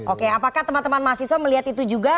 oke apakah teman teman mahasiswa melihat itu juga